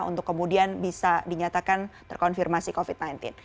untuk kemudian bisa dinyatakan terkonfirmasi covid sembilan belas